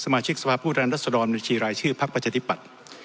สมาชิกสภาพภูตรรรณรัฐสดรมในชีวิตรายชื่อภักดิ์ประชาธิบัตร